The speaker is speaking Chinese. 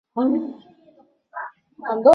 每周发刊一次。